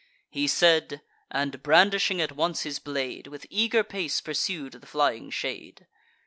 He said, and, brandishing at once his blade, With eager pace pursued the flying shade.